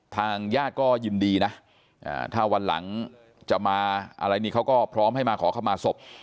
ทางญาติก็ยินดีนะถ้าวันหลังจะมาอะไรนี่เขาก็พร้อมให้มาขอเข้ามาศพ